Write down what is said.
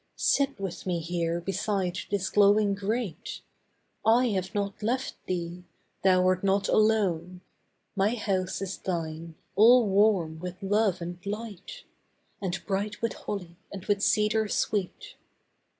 Sit with me here beside this glowing grate; I have not left thee; thou art not alone; My house is thine; all warm with love and light, And bright with holly and with cedar sweet.